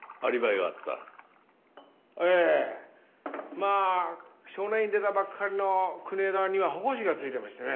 まあ少年院出たばっかりの国枝には保護司がついていましてね。